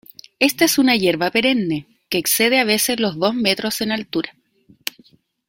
Esta es una hierba perenne que excede a veces los dos metros en altura.